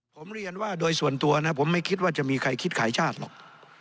ผมเรียนว่าโดยส่วนตัวนะผมไม่คิดว่าจะมีใครคิดขายชาติหรอก